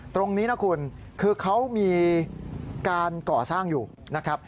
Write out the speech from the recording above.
ตรงนี้นะคุณคือเขามีการก่อสร้างอยู่นะครับ